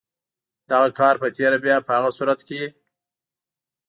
دغه کار په تېره بیا په هغه صورت کې.